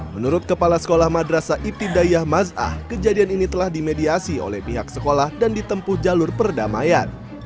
menurut kepala sekolah madrasa ibtidayah ⁇ zah kejadian ini telah dimediasi oleh pihak sekolah dan ditempuh jalur perdamaian